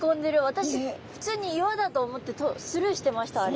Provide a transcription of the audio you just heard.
私ふつうに岩だと思ってスルーしてましたあれ。